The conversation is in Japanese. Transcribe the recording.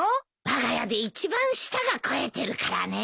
わが家で一番舌が肥えてるからね。